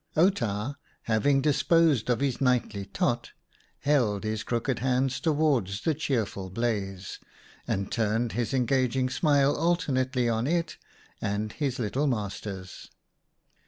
Outa, having disposed of his nightly tot, held his crooked hands towards the cheerful blaze and turned his engaging smile alter nately on it and his little masters.